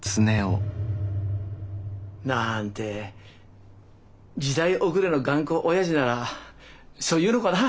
なんて時代遅れの頑固オヤジならそう言うのかな？